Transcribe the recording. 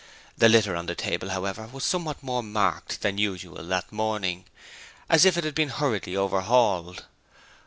The litter on the table, however, was somewhat more marked this morning than usual, as if it had been hurriedly overhauled.